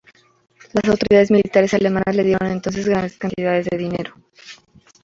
Las autoridades militares alemanas le dieron entonces grandes cantidades de dinero.